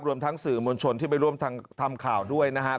รวมทั้งสื่อมวลชนที่ไปร่วมทำข่าวด้วยนะครับ